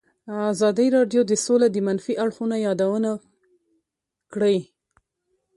ازادي راډیو د سوله د منفي اړخونو یادونه کړې.